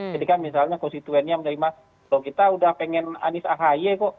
jadi kan misalnya constituentnya menerima kalau kita sudah ingin anies ahy kok